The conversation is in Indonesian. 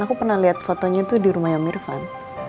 aku pernah liat fotonya tuh di rumahnya mirvan